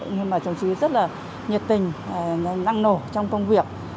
nhưng mà chồng chí rất là nhiệt tình năng nổ trong công việc